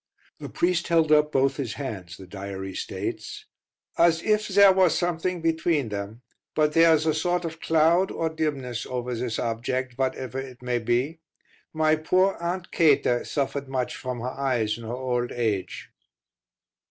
The priest held up both his hands, the diary states, "as if there were something between them. But there is a sort of cloud or dimness over this object, whatever it may be. My poor Aunt Kathie suffered much from her eyes in her old age."